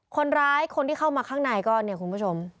คนที่เข้ามาข้างในก็เนี่ยคุณผู้ชม